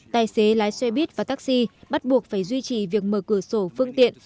tài xế lái xe buýt và taxi bắt buộc phải duy trì việc mở cửa sổ phương tiện